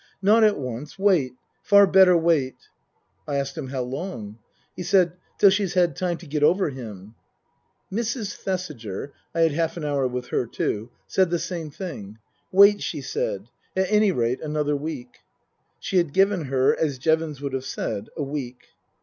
" Not at once. Wait. Far better wait." I asked him, " How long ?" He said, " Till she's had time to get over him." Mrs. Thesiger (I had half an hour with her, too) said the same thing. " Wait," she said, " at any rate, another week." She had given her, as Jevons would have said, a week.